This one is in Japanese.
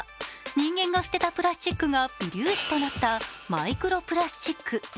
人間が捨てたプラスチックが微粒子となったマイクロプラスチック。